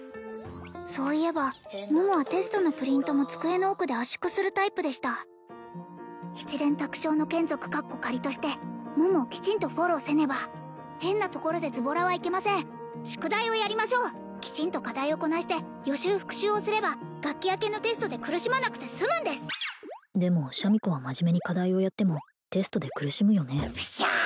そういえば桃はテストのプリントも変なところでズボラ机の奥で圧縮するタイプでした一蓮托生の眷属として桃をきちんとフォローせねば変なところでズボラはいけません宿題をやりましょうきちんと課題をこなして予習復習をすれば学期明けのテストで苦しまなくて済むんですでもシャミ子は真面目に課題をやってもテストで苦しむよねフシャー！